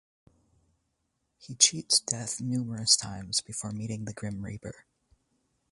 He cheats death numerous times before meeting the Grim Reaper.